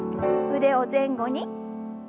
腕を前後に。